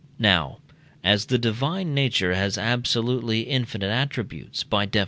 Now, as the divine nature has absolutely infinite attributes (by Def.